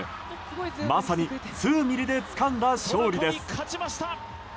まさに数ミリでつかんだ勝利です。